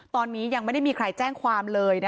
ตอนนี้ไม่มีใครแจ้งความเลย